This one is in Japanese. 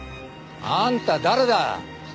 あんた誰だ？